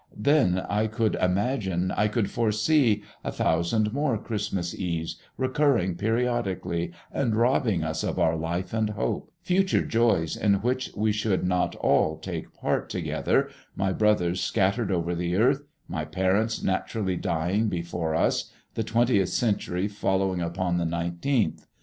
Then I could imagine, I could foresee, a thousand more Christmas Eves recurring periodically and robbing us of our life and hope, future joys in which we should not all take part together, my brothers scattered over the earth, my parents naturally dying before us, the twentieth century following upon the nineteenth!